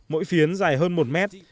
mỗi phiến dài hơn một mét